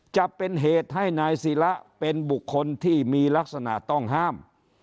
จะเป็นเหตุให้นายศิระเป็นบุคคลที่มีลักษณะต้องห้าม